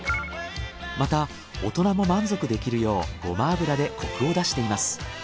また大人も満足できるようゴマ油でコクを出しています。